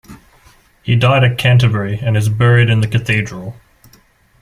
He died at Canterbury and is buried in the Cathedral.